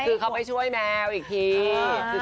คือเขาไปช่วยแมวอีกที